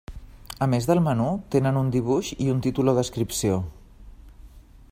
A més del menú, tenen un dibuix i un títol o descripció.